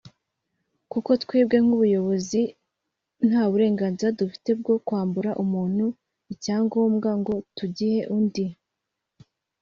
kuko twebwe nk’ubuyobozi nta burenganzira dufite bwo kwambura umuntu icyangombwa ngo tugihe undi